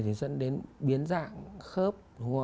thì dẫn đến biến dạng khớp